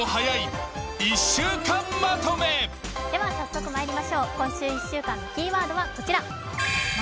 では、早速まいりましょう今週１週間のキーワードはこちら「前」。